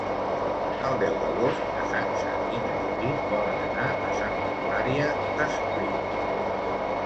El deu d'agost na Sança i na Judit volen anar a Santa Eulària des Riu.